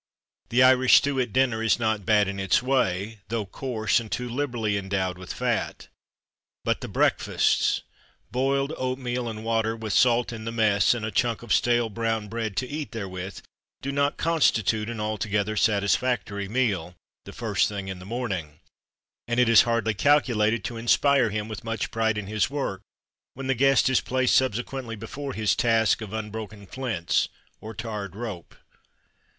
The Irish stew at dinner is not bad in its way, though coarse, and too liberally endowed with fat. But the breakfasts! Boiled oatmeal and water, with salt in the mess, and a chunk of stale brown bread to eat therewith, do not constitute an altogether satisfactory meal, the first thing in the morning; and it is hardly calculated to inspire him with much pride in his work, when the guest is placed subsequently before his "task" of unbroken flints or tarred rope.